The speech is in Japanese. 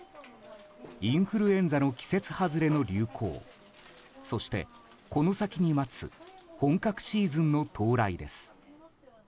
インフルエンザの季節外れの流行そして、この先に待つ本格シーズンの到来です。